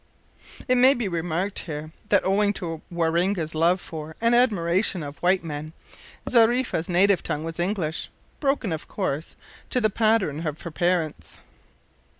It may be remarked here that, owing to Waroonga's love for, and admiration of, white men, Zariffa's native tongue was English broken, of course, to the pattern of her parents.